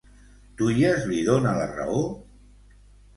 Tuies li dona la raó?